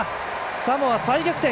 サモア、再逆転！